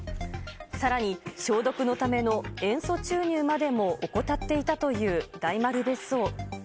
さらに消毒のための塩素注入までも怠っていたという大丸別荘。